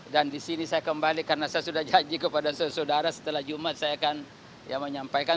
dan disini saya kembali karena saya sudah janji kepada saudara saudara setelah jumat saya akan menyampaikan